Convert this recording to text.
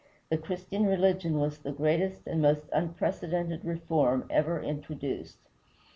The Christian religion was the greatest and most unprecedented reform ever introduced.